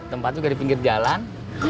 tempat juga di pinggir jalan